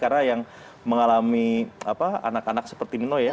karena yang mengalami anak anak seperti nino ya